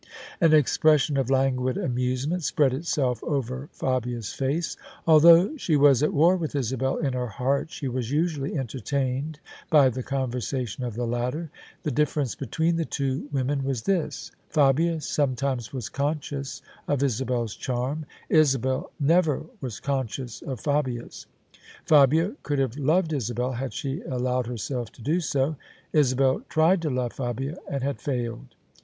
An expression of languid amusement spread itself over Fabia's face. Although she was at war with Isabel in her heart, she was usually entertained by the conversation of the latter. The difference between the two women was this: Fabia sometimes was conscious of Isabel's charm: Isabel never was conscious of Fabia's. Fabia could have loved Isabel had she allowed herself to do so: Isabel tried to love Fabia and had failed.